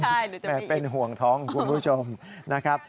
อ่อเดี๋ยวจะไม่อิมเป็นห่วงท้องพวกคุณผู้ชมนะครับ